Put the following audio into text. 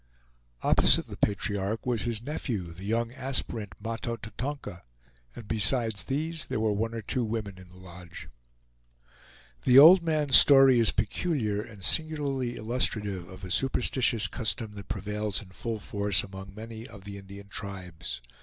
Opposite the patriarch was his nephew, the young aspirant Mahto Tatonka; and besides these, there were one or two women in the lodge. The old man's story is peculiar, and singularly illustrative of a superstitious custom that prevails in full force among many of the Indian tribes.